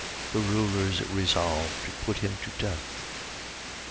The rulers resolve to put him to death.